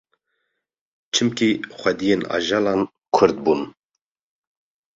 Çimkî xwediyên ajalan Kurd bûn